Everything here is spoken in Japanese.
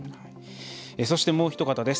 そして、もうひと方です。